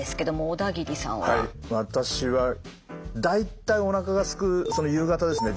私は大体おなかがすく夕方ですね